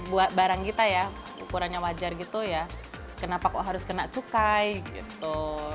buat barang kita ya ukurannya wajar gitu ya kenapa kok harus kena cukai gitu